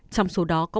trong số đó có